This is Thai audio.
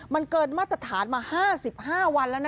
มันเกินมาตรฐานมา๕๕วันแล้วนะ